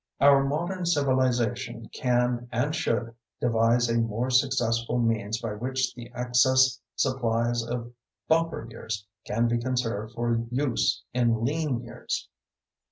Our modern civilization can and should devise a more successful means by which the excess supplies of bumper years can be conserved for use in lean years.